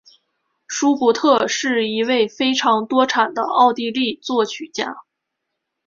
舒伯特是一位非常多产的奥地利作曲家。